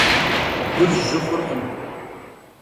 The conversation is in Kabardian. Gur jı xhurkhım.